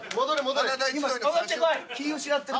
気ぃ失ってる。